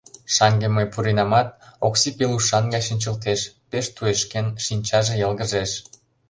Шаҥге мый пуренамат, Окси пелушан гай шинчылтеш, пеш туешкен, шинчаже йылгыжеш...